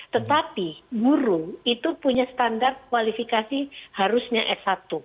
tetapi guru itu punya standar kualifikasi harusnya s satu